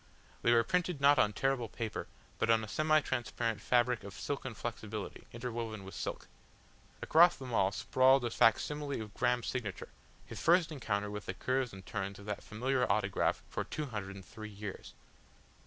They were printed not on tearable paper, but on a semi transparent fabric of silken flexibility, interwoven with silk. Across them all sprawled a facsimile of Graham's signature, his first encounter with the curves and turns of that familiar autograph for two hundred and three years.